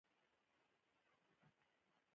هغه په باره کې ځکه جواب ورنه کړ.